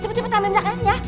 cepet cepet ambil minyak kayanya